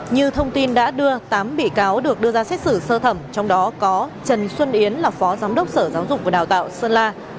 như thông tin đã đưa tám bị cáo được đưa ra xét xử sơ thẩm trong đó có trần xuân yến là phó giám đốc sở giáo dục và đào tạo sơn la